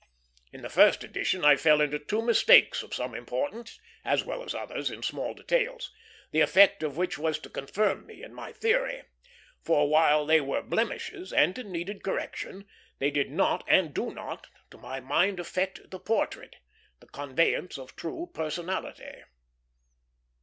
In the first edition I fell into two mistakes of some importance, as well as others in small details, the effect of which was to confirm me in my theory; for while they were blemishes, and needed correction, they did not, and do not, to my mind affect the portrait the conveyance of true personality.